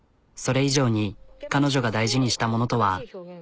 それ以上に彼女が大事にしたものとは？